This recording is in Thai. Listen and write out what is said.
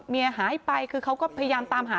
หายไปคือเขาก็พยายามตามหา